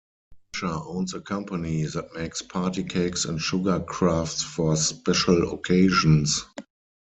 Asher owns a company that makes party cakes and sugar crafts for special occasions.